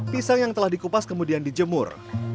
pisang yang telah dikupas kemudian dijemur